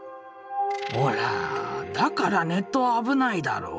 だからネットは危ないだろう。